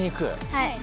はい。